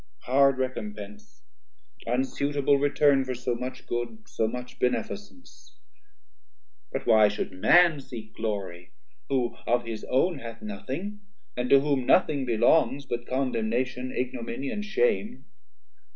Hard recompence, unsutable return For so much good, so much beneficence. But why should man seek glory? who of his own Hath nothing, and to whom nothing belongs But condemnation, ignominy, and shame?